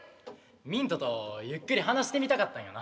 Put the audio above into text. ミントとゆっくり話してみたかったんよな。